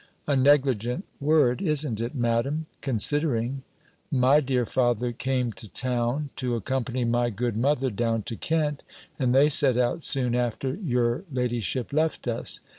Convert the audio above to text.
A negligent word isn't it, Madam considering My dear father came to town, to accompany my good mother down to Kent, and they set out soon after your ladyship left us.